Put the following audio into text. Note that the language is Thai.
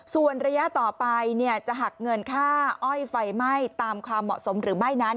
ส่วนระยะต่อไปจะหักเงินค่าอ้อยไฟไหม้ตามความเหมาะสมหรือไม่นั้น